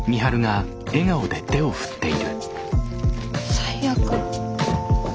最悪。